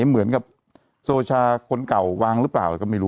เหมือนกับโซชาคนเก่าวางหรือเปล่าก็ไม่รู้